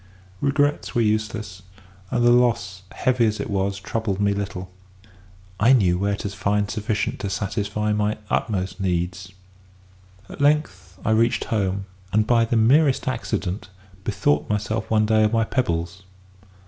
"Regrets were useless, and the loss, heavy as it was, troubled me little; I knew where to find sufficient to satisfy my utmost needs. At length I reached home, and, by the merest accident, bethought myself one day of my pebbles.